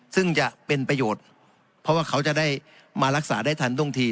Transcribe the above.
ซึ่งจะเป็นประโยชน์เพราะว่าเขาจะได้มารักษาได้ทันท่วงที